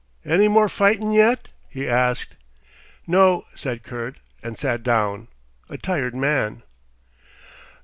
"Any more fightin' yet?" he asked. "No," said Kurt, and sat down, a tired man.